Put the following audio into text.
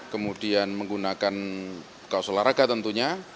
kemudian menggunakan kaos olahraga tentunya